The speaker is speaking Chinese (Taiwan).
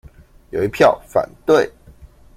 有一票反對